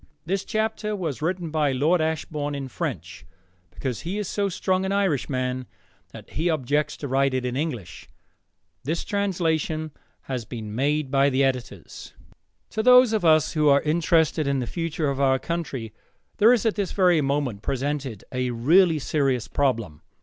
This chapter was written by Lord Ashbourne in French, because he is so strong an Irishman that he objects to write in English. The translation has been made by the Editors.] To those of us who are interested in the future of our country there is at this very moment presented a really serious problem.